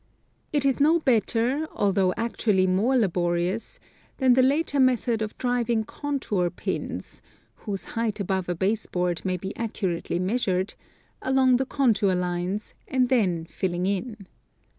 It is no better, although actually more laborious, than the later method of driving contour pins (whose height above a base board may be accurately measured,) along the contour lines, and then filling in.